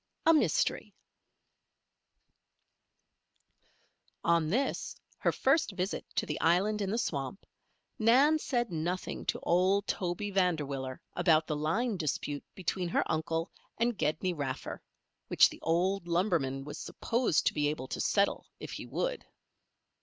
A MYSTERY On this, her first visit to the island in the swamp, Nan said nothing to old Toby Vanderwiller about the line dispute between her uncle and Gedney Raffer, which the old lumberman was supposed to be able to settle if he would.